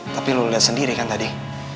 tapi lu lihat sendiri kan tadi